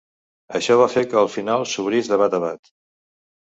Això va fer que el final s'obrís de bat a bat.